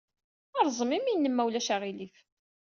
Rẓem imi-nnem, ma ulac aɣilif.